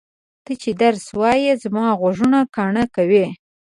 ته چې درس وایې زما غوږونه کاڼه کوې!